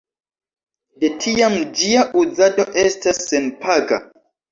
De tiam ĝia uzado estas senpaga.